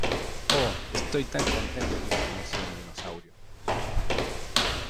¡ Oh, estoy tan contento que usted no sea un dinosaurio!